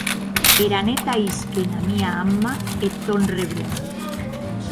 Era net ahisque ena mia anma eth tòn rebrembe!